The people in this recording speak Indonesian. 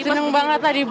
seneng banget tadi